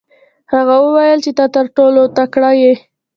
هغه وویل چې ته تر ټولو تکړه یې.